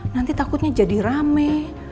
nanti takutnya jadi rame